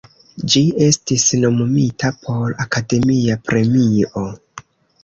Ĝi estis nomumita por Akademia Premio.